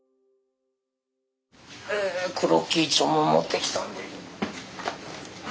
クロッキー帳も持ってきたんで。